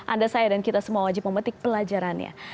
anda saya dan kita semua wajib memetik pelajarannya